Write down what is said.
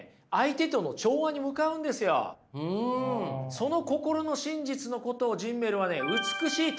その心の真実のことをジンメルはね美しい魂と呼びました。